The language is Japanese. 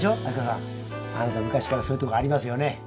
亜希子さんあなた昔からそういうとこありますよね